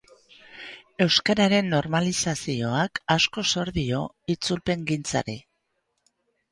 Euskararen normalizazioak asko zor dio itzulpengintzari.